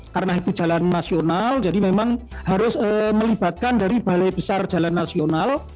karena itu jalan nasional jadi memang harus melibatkan dari balai besar jalan nasional